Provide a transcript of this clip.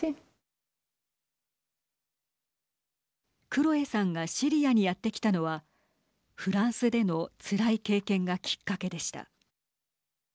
クロエさんがシリアにやってきたのはフランスでのつらい経験がきっかけでした。